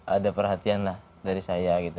ada perhatian lah dari saya gitu